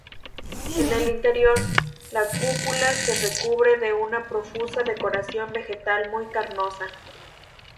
En el interior, la cúpula se recubre de una profusa decoración vegetal muy carnosa.